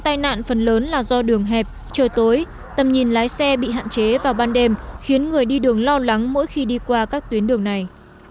tai nạn phần lớn là do đường hẹp trời tối tầm nhìn lái xe bị hạn chế vào ban đêm khiến người đi đường lo lắng mỗi khi đi qua các tuyến đường này